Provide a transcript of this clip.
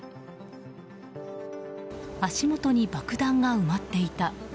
足元に爆弾が埋まっていた。